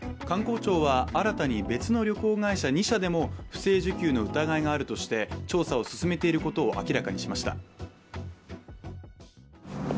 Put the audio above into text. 観光庁は新たに別の旅行会社２社でも不正受給の疑いがあるとして調査を進めていることを明らかにしました。